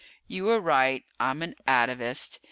You were right I'm an atavist.